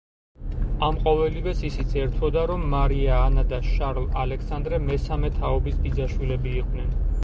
ამ ყოველივეს ისიც ერთვოდა, რომ მარია ანა და შარლ ალექსანდრე მესამე თაობის ბიძაშვილები იყვნენ.